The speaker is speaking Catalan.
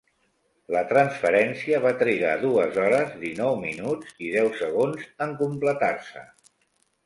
La transferència va trigar dues hores, dinou minuts i deu segons en completar-se.